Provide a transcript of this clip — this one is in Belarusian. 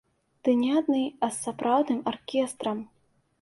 Ды не адны, а з сапраўдным аркестрам!